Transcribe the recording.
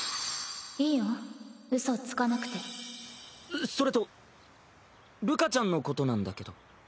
いいようそつかなくてそれとるかちゃんのことなんだけど。